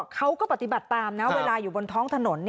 เขาก็ปฏิบัติตามนะเวลาอยู่บนท้องถนน